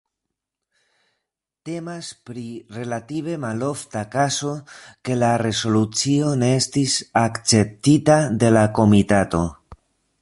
Temas pri relative malofta kazo ke la rezolucio ne estis akceptita de la komitato.